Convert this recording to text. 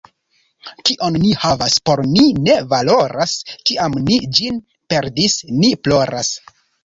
Kion ni havas, por ni ne valoras; kiam ni ĝin perdis, ni ploras.